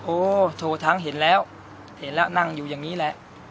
โอ้โททั้งเห็นแล้วเห็นแล้วนั่งอยู่อย่างนี้แหละ